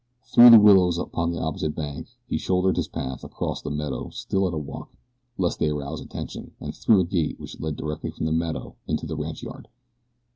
Through the willows upon the opposite bank he shouldered his path, across the meadow still at a walk, lest they arouse attention, and through a gate which led directly from the meadow into the ranchyard.